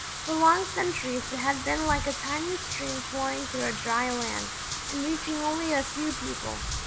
For long centuries it had been like a tiny stream flowing through a dry land, and reaching only a few people.